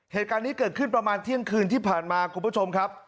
เหตุการณ์นี้เกิดขึ้นประมาณเที่ยงคืนที่ผ่านมาคุณผู้ชมครับ